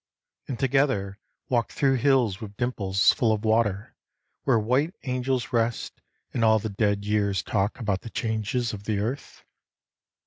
And together walk Thro' hills with dimples full of water where White angels rest, and all the dead years talk About the changes of the earth